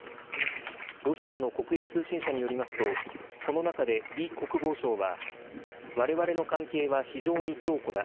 ロシアの国営通信社によりますと、この中で、李国防相は、われわれの関係は非常に強固だ。